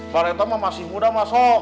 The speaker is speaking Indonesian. baretoma masih muda mas sok